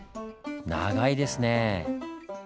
長いですねぇ。